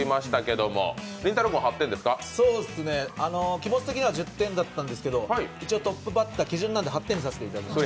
気持ち的には１０点だったんですけど、トップバッター基準なんで８点にさせていただきました。